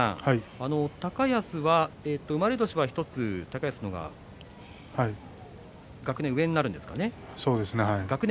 高安は生まれ年は１つ、高安の方が学年が上なんですかね。